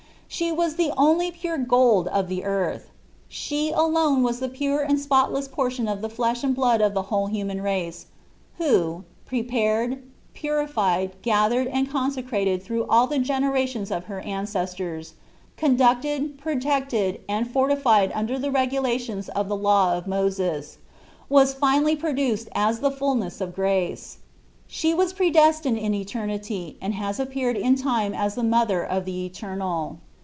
She was the only pure gold of the earth. She alone was the pure and spotless portion of the flesh and blood of the whole human race, who, prepared, purified, gathered, and con secrated through all the generations of her ancestors, conducted, protected, and for tified under the regulations of the law of Moses, was finally produced as the fulness of grace. She was predestined in eter nity and she has appeared in time as the Mother of the Eternal.